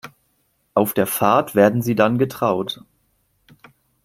Auf der Fahrt werden sie dann getraut.